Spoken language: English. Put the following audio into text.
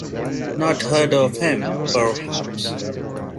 Not heard of him, perhaps?